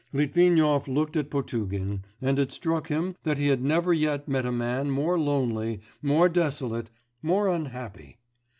Litvinov looked at Potugin, and it struck him that he had never yet met a man more lonely, more desolate ... more unhappy.